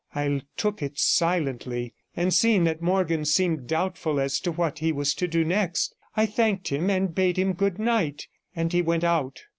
I took it silently, and seeing that Morgan seemed doubtful as to what he was to do next. I thanked him and bade him good night, and he went out.